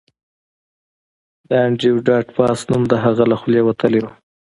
د انډریو ډاټ باس نوم د هغه له خولې وتلی و